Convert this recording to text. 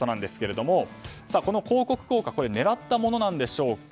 この広告効果は狙ったものなんでしょうか。